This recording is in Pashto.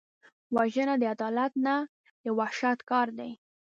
وژنه د عدالت نه، د وحشت کار دی